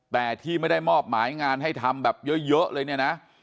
แต่ที่ไม่ได้มอบหมายงานให้ทำแบบเยอะเลยเนี่ยนะ